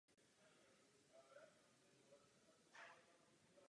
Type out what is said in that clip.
Mimoto byl i uznávaným básníkem.